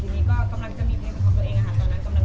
ทีนี้ก็กำลังจะมีเพลงของตัวเองอ่ะฮะตอนนั้นกำลังจะเป็นหนึ่ง